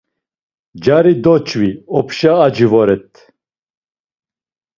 Cari doç̌vi, opşa aci voret.